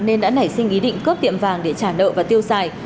nên đã nảy sinh ý định cướp tiệm vàng để trả nợ và tiêu xài